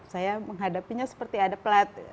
saya menghadapinya seperti ada plat